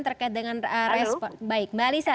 terkait dengan respon baik mbak alisa